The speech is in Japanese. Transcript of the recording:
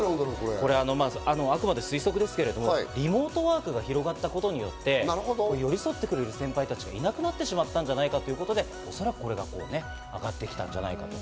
あくまで推測ですけど、リモートワークが広がったことによって、寄り添ってくれる先輩たちがいなくなってしまったんじゃないかということで、おそらくね、上がってきたんじゃないかと。